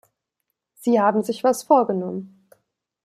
Sie haben sich was vorgenommen!